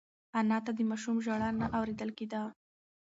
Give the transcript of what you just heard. انا ته د ماشوم ژړا نه اورېدل کېده.